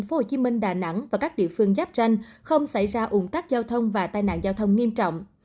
tp hcm đà nẵng và các địa phương giáp tranh không xảy ra ủng tắc giao thông và tai nạn giao thông nghiêm trọng